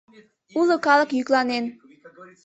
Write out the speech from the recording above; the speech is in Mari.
Уло калык йӱкланен.